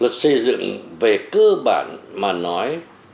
luật xây dựng về cơ bản mà nói